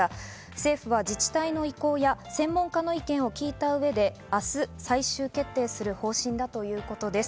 政府は自治体の意向や専門家の意見を聞いた上で明日最終決定する方針だということです。